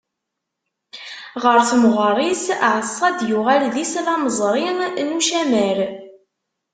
Ɣer temɣer-is, Ɛeṣṣad yuɣal d islamẓri s ucamar.